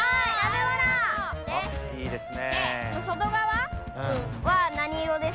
あいいですね。